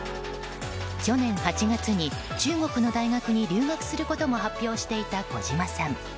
去年８月に中国の大学に留学することも発表していた小島さん。